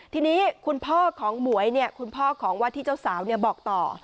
ทีนี้คุณพ่อของหมวยเนี่ยคุณพ่อของวาที่เจ้าสาวเนี่ยบอกต่อ